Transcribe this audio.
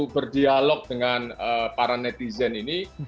berdialog dengan para netizen ini